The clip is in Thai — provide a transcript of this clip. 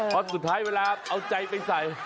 เพราะสุดท้ายเวลาเอาใจไปใส่